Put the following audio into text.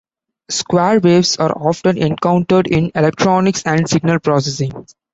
Square waves are often encountered in electronics and signal processing.